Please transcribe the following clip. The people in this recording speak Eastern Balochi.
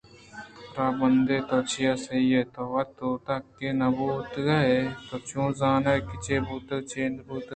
راہ ءُرَہبند ؟ توچے ءَ سہی ئے ؟ تو وت اود ءَکہ نہ بوتگئے تو چوں زانئے کہ چے بوتگ ءُچے نہ بوتگ